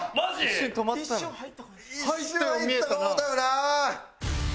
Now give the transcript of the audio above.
一瞬入ったと思ったよな！